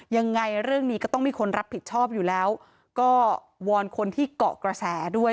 ยังไงเรื่องนี้ก็ต้องมีคนรับผิดชอบอยู่แล้วก็วอนคนที่เกาะกระแสด้วย